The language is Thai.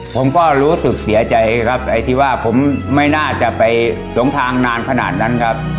ผมก็รู้สึกเสียใจครับไอ้ที่ว่าผมไม่น่าจะไปหลงทางนานขนาดนั้นครับ